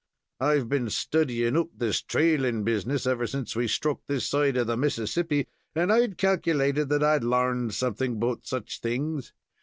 I've been studyin' up this trailin' business ever since we struck this side of the Mississippi, and I'd calculated that I'd larned something 'bout such things.